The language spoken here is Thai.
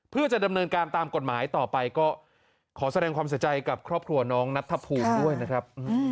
เพื่อจะดำเนินการตามกฎหมายต่อไปก็ขอแสดงความเสียใจกับครอบครัวน้องนัทธภูมิด้วยนะครับ